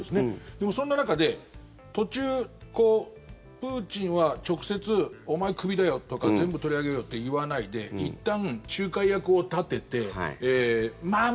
でも、そんな中で途中、プーチンは直接、お前クビだよとか全部取り上げるよって言わないでいったん仲介役を立ててまあ